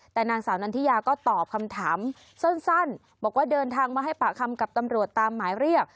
แต่นางสาวนันทิยาก็ตอบคำถามสั้นบอกว่าเดินทางมาให้ปากคำกับตำรวจตามหมายเรียก